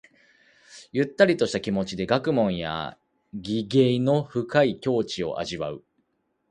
ゆったりとした気持ちで学問や技芸の深い境地を味わう。